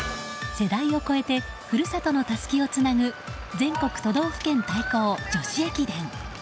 世代を超えて故郷のたすきをつなぐ全国都道府県対抗女子駅伝。